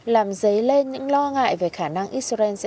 làm dấy lên những lo ngại về khả năng israel sẽ tấn công trả đũa